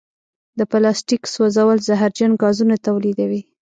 د پلاسټیک سوځول زهرجن ګازونه تولیدوي.